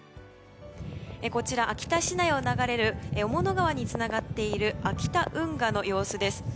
こちら、秋田市内を流れる雄物川につながっている秋田運河の様子です。